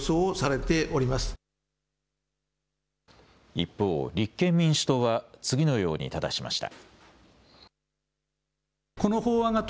一方、立憲民主党は次のようにただしました。